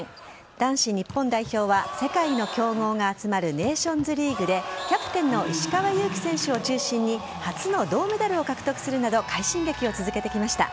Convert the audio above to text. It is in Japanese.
男子日本代表は世界の強豪が集まるネーションズリーグでキャプテンの石川祐希選手を中心に初の銅メダルを獲得するなど快進撃を続けてきました。